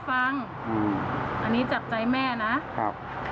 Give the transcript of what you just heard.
อันนี้จับใจแม่นะ